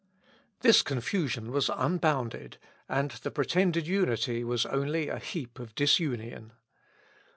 This confusion was unbounded, and the pretended unity was only a heap of disunion.